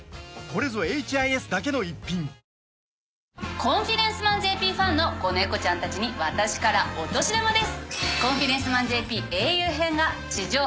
『コンフィデンスマンＪＰ』ファンの子猫ちゃんたちに私から落とし玉です！